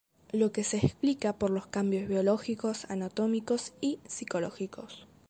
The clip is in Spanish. Lo que se explica por los cambios biológicos, anatómicos y psicológicos.